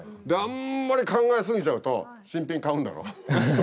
あんまり考えすぎちゃうと新品買うんだろ？